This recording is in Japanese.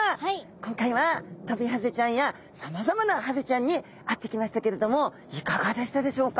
今回はトビハゼちゃんやさまざまなハゼちゃんに会ってきましたけれどもいかがでしたでしょうか？